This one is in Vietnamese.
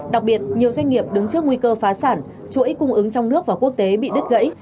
đặc biệt nhiều doanh nghiệp đứng trước nguy cơ phá sản chuỗi cung ứng trong nước và quốc tế bị đứt gãy